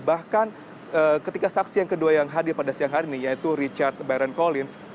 bahkan ketika saksi yang kedua yang hadir pada siang hari ini yaitu richard baron colins